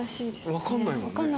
わかんないもんね。